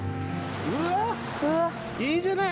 うわいいじゃない。